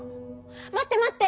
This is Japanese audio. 待って待って！